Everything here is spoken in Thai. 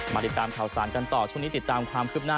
ติดตามข่าวสารกันต่อช่วงนี้ติดตามความคืบหน้า